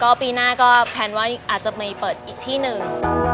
ก็ปีหน้าก็แพลนว่าอาจจะมีเปิดอีกที่หนึ่ง